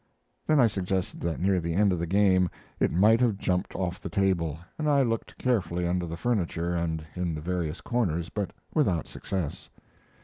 Then I suggested that near the end of the game it might have jumped off the table, and I looked carefully under the furniture and in the various corners, but without success.